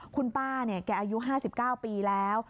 คุณป้าแกอายุ๕๙ปีแล้ว